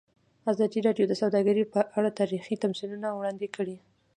ازادي راډیو د سوداګري په اړه تاریخي تمثیلونه وړاندې کړي.